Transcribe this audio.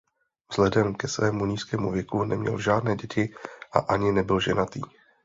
Vzhledem ke svému nízkému věku neměl žádné děti a ani nebyl ženatý.